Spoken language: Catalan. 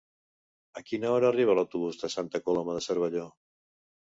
A quina hora arriba l'autobús de Santa Coloma de Cervelló?